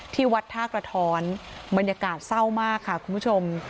ที่วัดท่ากระท้อนบรรยากาศเศร้ามากค่ะคุณผู้ชม